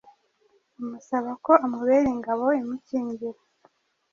amusaba ko amubera ingabo imukingira.